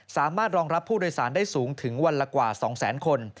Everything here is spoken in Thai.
สามารถรองรับผู้โดยสารได้สูงถึงวันละกว่า๒แสนคน